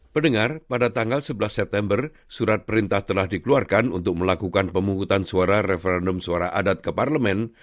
pendengar pada tanggal sebelas september surat perintah telah dikeluarkan untuk melakukan pemungutan suara referendum suara adat ke parlemen